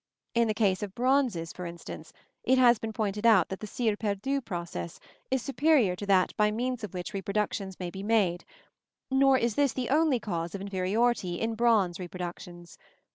In the case of bronzes, for instance, it has been pointed out that the cire perdue process is superior to that by means of which reproductions may be made; nor is this the only cause of inferiority in bronze reproductions.